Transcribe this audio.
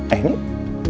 eh ini buat kakak